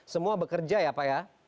semua bekerja ya pak ya